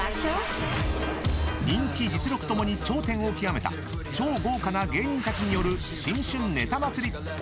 人気、実力ともに頂点を極めた超豪華な芸人たちによる新春ネタ祭り。